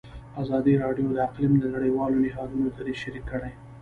ازادي راډیو د اقلیم د نړیوالو نهادونو دریځ شریک کړی.